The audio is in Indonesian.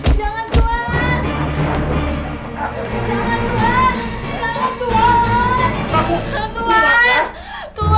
jangan ada yang melawan